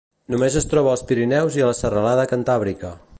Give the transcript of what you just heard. Només es troba als Pirineus i la Serralada Cantàbrica.